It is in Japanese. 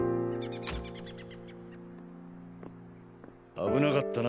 危なかったな。